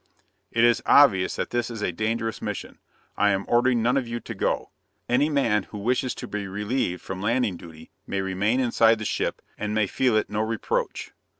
"It is obvious that this is a dangerous mission. I'm ordering none of you to go. Any man who wishes to be relieved from landing duty may remain inside the ship, and may feel it no reproach.